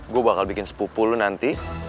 gue bakal bikin sepupu lu nanti